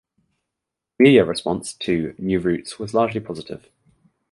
Media response to "New Routes" was largely positive.